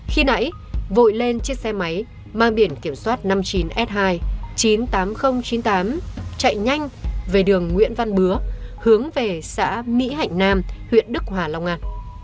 khi nãy vội lên chiếc xe máy mang biển kiểm soát năm mươi chín s hai chín mươi tám nghìn chín mươi tám chạy nhanh về đường nguyễn văn bứa hướng về xã mỹ hạnh nam huyện đức hòa long an